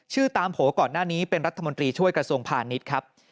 ตามโผล่ก่อนหน้านี้เป็นรัฐมนตรีช่วยกระทรวงพาณิชย์ครับ